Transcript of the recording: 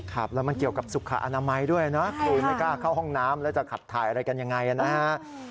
ครับแล้วมันเกี่ยวกับสุขอนามัยด้วยนะคือไม่กล้าเข้าห้องน้ำแล้วจะขับถ่ายอะไรกันยังไงนะฮะ